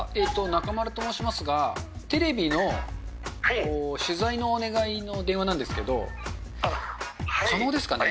中丸と申しますが、テレビの取材のお願いの電話なんですけど、可能ですかね？